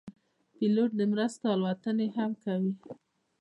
پیلوټ د مرستو الوتنې هم کوي.